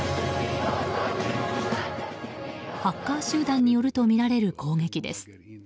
ハッカー集団によるとみられる攻撃です。